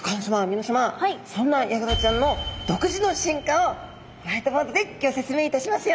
皆さまそんなヤガラちゃんの独自の進化をホワイトボードでギョ説明いたしますよ。